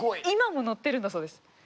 今も載ってるんだそうです。